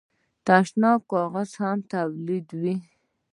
د تشناب کاغذ هم تولیدوي.